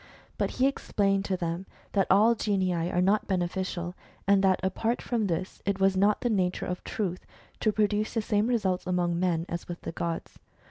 But he explained to them that all genii are not beneficial, and that apart from this, it was not of the nature of Truth to produce the same results among men as with the gods.